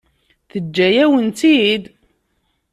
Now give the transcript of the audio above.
Teǧǧa-yawen-tt-id?